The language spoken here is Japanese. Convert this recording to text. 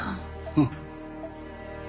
うん。